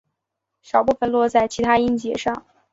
少部分落在其它音节上。